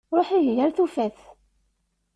Ruḥ ihi ar-tufat.